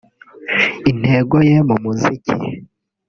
Intego ye mu muziki